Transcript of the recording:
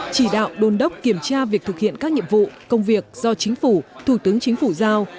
chỉ đạo đôn đốc kiểm tra việc thực hiện các nhiệm vụ công việc do chính phủ thủ tướng chính phủ giao